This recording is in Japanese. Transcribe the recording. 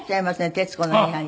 『徹子の部屋』に。